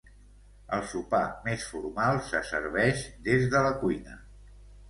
El sopar més formal se serveix des de la cuina.